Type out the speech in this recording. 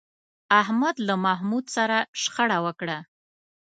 احمد له محمود سره شخړه وکړه.